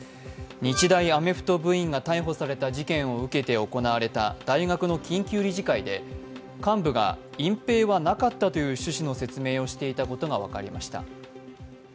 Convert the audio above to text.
日大アメフト部員が逮捕された事件を受けて行われた大学の緊急理事会で幹部が隠蔽はなかったという趣旨の説明をしていたことが分かりました。